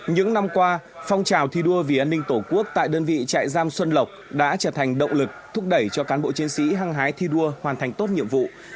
những năm qua phong trào thi đua vì an ninh tổ quốc tại đơn vị trại giam xuân lộc đã trở thành động lực thúc đẩy cho cán bộ chiến sĩ hăng hái thi đua hoàn thành tốt nhiệm vụ